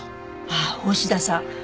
ああ大志田さん。